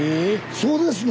そうですの！